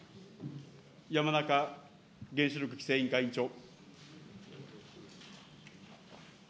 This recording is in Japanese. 山中原子力規制委員会委員長。